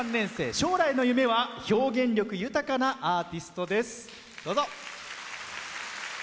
将来の夢は表現力豊かなアーティストです。